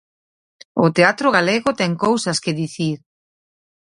O teatro galego ten cousas que dicir.